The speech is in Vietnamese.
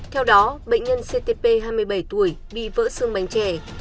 theo đó bệnh nhân ctp hai mươi bảy tuổi bị vỡ xương mảnh trẻ